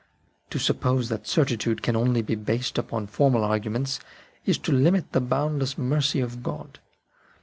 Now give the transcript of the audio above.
To suppose that certitude can be only based upon formal arguments is to limit the boundless mercy of God.